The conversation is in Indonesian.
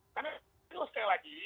karena itu sekali lagi